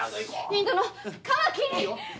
インドのカマキリ！